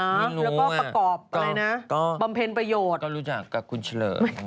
แล้วก็ประกอบอะไรนะก็บำเพ็ญประโยชน์ก็รู้จักกับคุณเฉลย